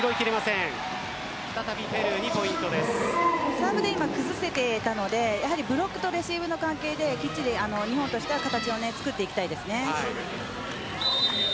サーブで崩せていたのでブロックとレシーブの関係できっちり日本としては形を作っていきたいですね。